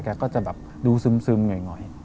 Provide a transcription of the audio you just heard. แกก็จะดูซึมเงย